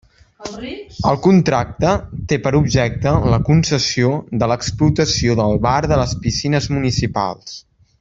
El contracte té per objecte la concessió de l'explotació del bar de les piscines municipals.